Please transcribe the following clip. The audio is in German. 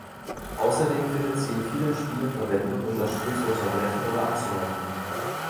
Außerdem findet sie in vielen Spielen Verwendung, um das Spiel zu unterbrechen oder anzuhalten.